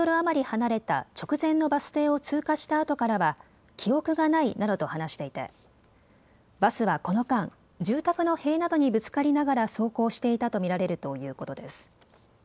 離れた直前のバス停を通過したあとからは記憶がないなどと話していてバスはこの間、住宅の塀などにぶつかりながら走行していたと見られるということです。